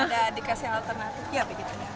ada dikasih alternatif ya begitu ya